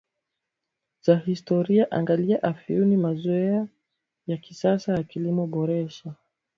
za historia angalia Afyuni Mazoea ya kisasa ya kilimo kuboresha